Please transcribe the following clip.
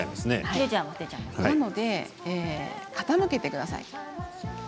なので傾けてください。